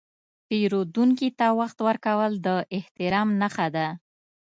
پیرودونکي ته وخت ورکول د احترام نښه ده.